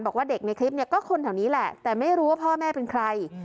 บอกว่าเด็กในคลิปเนี่ยก็คนแถวนี้แหละแต่ไม่รู้ว่าพ่อแม่เป็นใคร